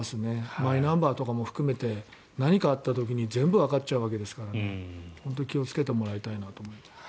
マイナンバーとかも含めて何かあった時に全部わかっちゃうわけですから本当に気をつけてもらいたいなと。